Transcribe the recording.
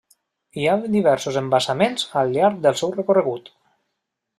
Hi ha diversos embassaments al llarg del seu recorregut.